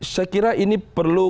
saya kira ini perlu